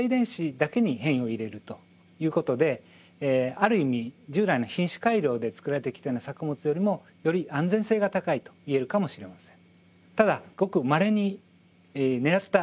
ある意味従来の品種改良で作られてきたような作物よりもより安全性が高いといえるかもしれません。